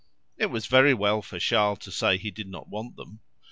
It was very well for Charles to say he did not want them.